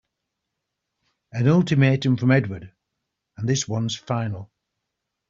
An ultimatum from Edward and this one's final!